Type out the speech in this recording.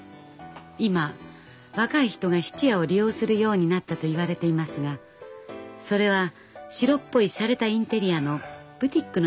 今若い人が質屋を利用するようになったといわれていますがそれは白っぽいしゃれたインテリアのブティックのような店が多いようです。